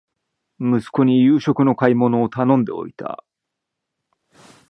息子に夕食の買い物を頼んでおいた